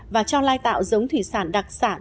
và cho lai tạo giống thủy sản đặc sản